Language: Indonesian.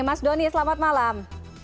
mas doni selamat malam